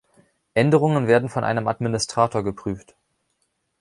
Änderungen werden von einem Administrator geprüft.